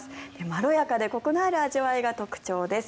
まろやかでコクのある味わいが特徴です。